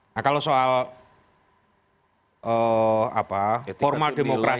nah kalau soal formal demokrasi